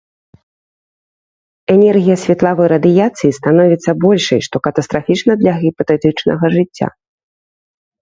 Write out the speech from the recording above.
Энергія светлавой радыяцыі становіцца большай, што катастрафічна для гіпатэтычнага жыцця.